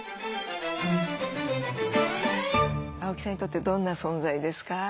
青木さんにとってどんな存在ですか？